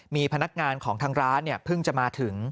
มีพนักงานของทางร้านเพิ่งจะมาถึง